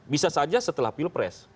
bisa saja setelah pilpres